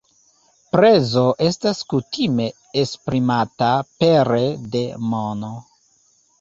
Prezo estas kutime esprimata pere de mono.